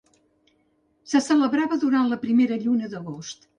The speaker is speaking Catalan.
Se celebrava durant la primera lluna d'agost.